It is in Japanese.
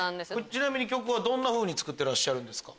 ちなみに曲はどんなふうに作ってるんですか？